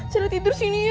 sel tidur sini ya